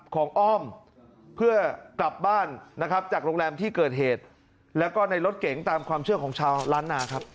ของอ้อมเพื่อกลับบ้านนะครับจากโรงแรมที่เกิดเหตุแล้วก็ในรถเก๋งตามความเชื่อของชาวล้านนาครับ